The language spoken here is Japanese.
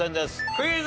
クイズ。